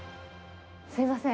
すみません。